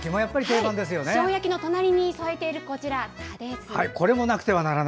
塩焼きの隣に添えているこちら、たで酢。